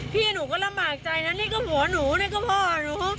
พี่หนูก็ลำบากใจนะนี่ก็ผัวหนูนี่ก็พ่อหนู